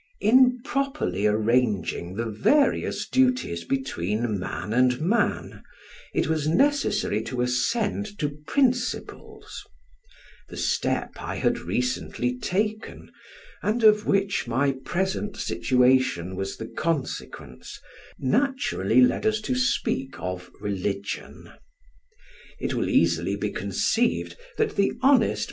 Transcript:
In properly arranging the various duties between man and man, it was necessary to ascend to principles; the step I had recently taken, and of which my present situation was the consequence, naturally led us to speak of religion. It will easily be conceived that the honest M.